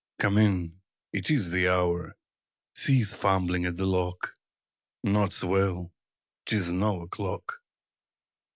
Come in! It is the hour! Cease fumbling at the lock! Naught's well! 'Tis no o'clock!